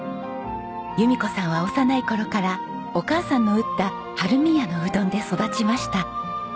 弓子さんは幼い頃からお母さんの打った春見屋のうどんで育ちました。